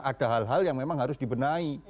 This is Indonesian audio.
ada hal hal yang memang harus dibenahi